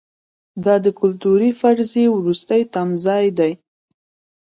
دا د کلتوري فرضیې وروستی تمځای دی.